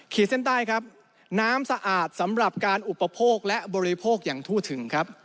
เส้นใต้ครับน้ำสะอาดสำหรับการอุปโภคและบริโภคอย่างทั่วถึงครับ